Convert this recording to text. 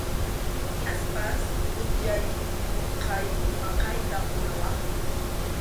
Hinaspas utqay utqay maqayta munawaqku.